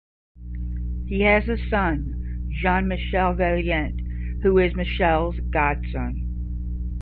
He has a son, Jean-Michel Vaillant, who is Michel's godson.